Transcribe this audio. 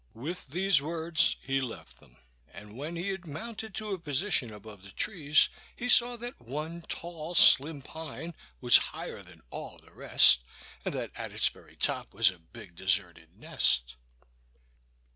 With these words he left them, and when he had mounted to a position above the trees he saw that one tall, slim pine was higher than all the rest, and that at its very top was a big deserted nest.